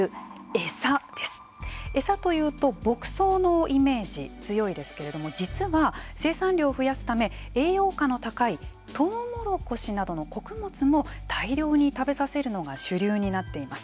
エサというと、牧草のイメージ強いですけれども実は、生産量を増やすため栄養価の高いトウモロコシなどの穀物も大量に食べさせるのが主流になっています。